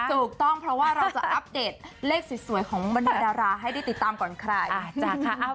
ถูกต้องเพราะว่าเราจะอัปเดตเลขสวยของบรรดาราให้ได้ติดตามก่อนใครนะจ๊ะ